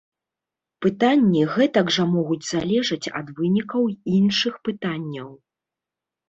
Пытанні гэтак жа могуць залежаць ад вынікаў іншых пытанняў.